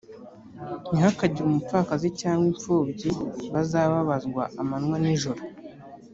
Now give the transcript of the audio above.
ntihakagire umupfakazi cyangwa impfubyi bazababazwa amanywa n ijoro